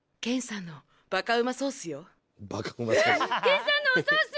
健さんのおソース？